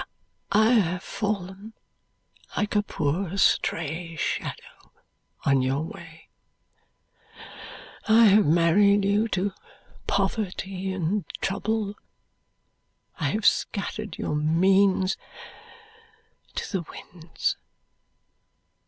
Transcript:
I have fallen like a poor stray shadow on your way, I have married you to poverty and trouble, I have scattered your means to the winds.